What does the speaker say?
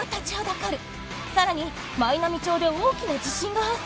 さらに舞波町で大きな地震が発生